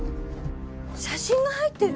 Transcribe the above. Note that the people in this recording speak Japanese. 写真が入ってる！